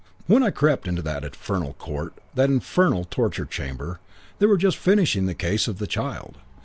"When I crept into that infernal court, that infernal torture chamber, they were just finishing the case of the child.